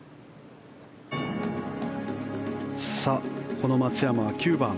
この松山は９番。